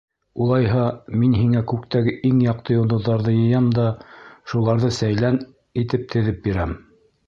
— Улайһа, мин һиңә күктәге иң яҡты йондоҙҙарҙы йыям да шуларҙы сәйлән итеп теҙеп бирәм.